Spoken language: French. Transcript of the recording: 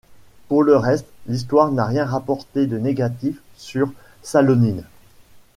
Pour le reste, l'Histoire n'a rien rapporté de négatif sur Salonine.